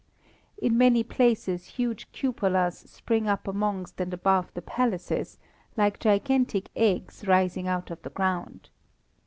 In many places huge cupolas spring up amongst and above the palaces, like gigantic eggs rising out of the ground.